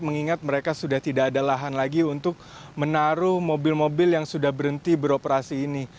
mengingat mereka sudah tidak ada lahan lagi untuk menaruh mobil mobil yang sudah berhenti beroperasi ini